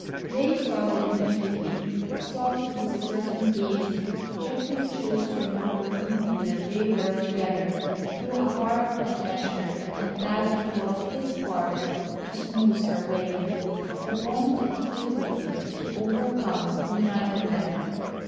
They started immediately, started with a certain gaiety. Geoffrey chose to remember only that they were together through a hard adventure, and that it was his part to smooth her way. The bond of difficulties to overcome united them.